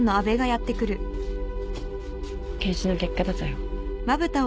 検視の結果出たよ。